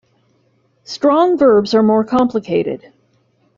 Strong verbs are more complicated.